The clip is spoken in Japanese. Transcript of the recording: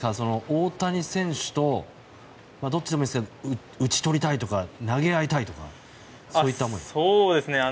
大谷選手と打ち取りたいとか投げ合いたいとかそういった思いは。